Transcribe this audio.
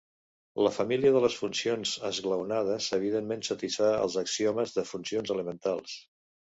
La família de les funcions esglaonades evidentment satisfà els axiomes de funcions elementals.